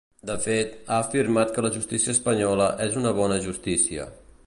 De fet, ha afirmat que la justícia espanyola és una ‘bona justícia’.